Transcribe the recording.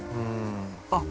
あっ。